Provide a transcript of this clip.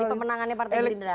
jadi pemenangannya partai belinda